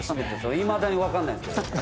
いまだに分かんないですけど。